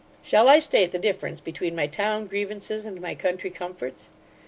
Shall I state the difference between my town grievances, and my country comforts?